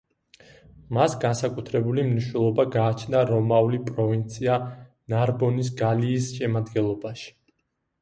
მას განსაკუთრებული მნიშვნელობა გააჩნდა რომაულ პროვინცია ნარბონის გალიის შემადგენლობაში.